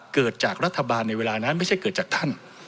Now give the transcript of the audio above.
เกิดจากรัฐบาลในเวลานั้นไม่ใช่เกิดจากท่าน